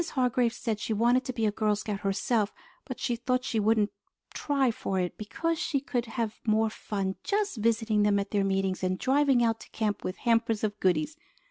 Hargrave said she wanted to be a Girl Scout herself, but she thought she wouldn't try for it because she could have more fun just visiting them at their meetings and driving out to camp with hampers of goodies.